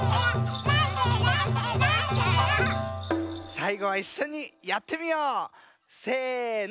さいごはいっしょにやってみよう！せの！